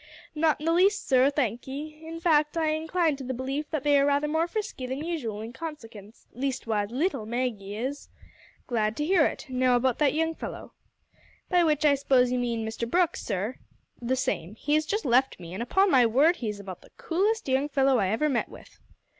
"Not in the least, sir, thankee. In fact I incline to the belief that they are rather more frisky than usual in consekince. Leastwise little Maggie is." "Glad to hear it. Now, about that young fellow." "By which I s'pose you mean Mr Brooke, sir?" "The same. He has just left me, and upon my word, he's about the coolest young fellow I ever met with."